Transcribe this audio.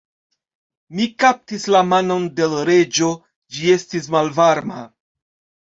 Mi kaptis la manon de l' Reĝo: ĝi estis malvarma.